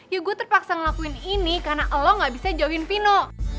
ya gue terpaksa ngelakuin ini karena lo gak bisa jauhin vino